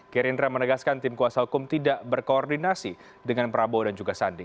gerindra menegaskan tim kuasa hukum tidak berkoordinasi dengan prabowo dan juga sandi